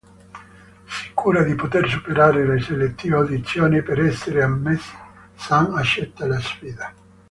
Sicura di poter superare le selettive audizioni per essere ammessi, Sam accetta la sfida.